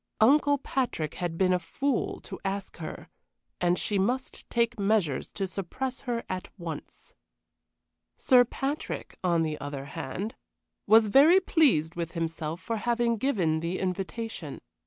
Uncle Patrick had been a fool to ask her, and she must take measures to suppress her at once. Sir Patrick, on the other hand, was very pleased with himself for having given the invitation.